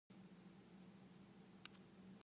Hentikan!